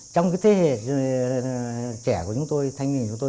trong cái thế hệ trẻ của chúng tôi thanh niên của tôi